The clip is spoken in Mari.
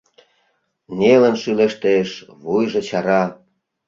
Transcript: Нелын шӱлештеш, вуйжо чара.